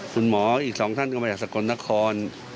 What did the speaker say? คุณหมออีกสองท่านก็มาจากสกลนคร